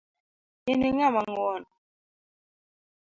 In ing'ama ngwon.